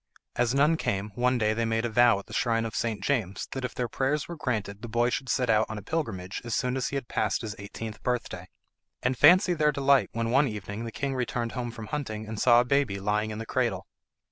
As none came, one day they made a vow at the shrine of St. James that if their prayers were granted the boy should set out on a pilgrimage as soon as he had passed his eighteenth birthday. And fancy their delight when one evening the king returned home from hunting and saw a baby lying in the cradle.